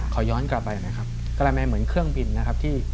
ขอย้อนกลับไปนะครับกระแมนเหมือนเครื่องบินนะครับที่